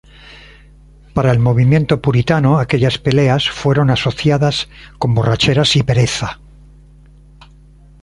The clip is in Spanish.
Para el movimiento puritano aquellas peleas fueron asociadas con borracheras y pereza.